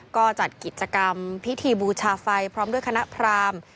ก็จัดกิจกรรมพิธีบูชาไฟพร้อมด้วยคณะพราม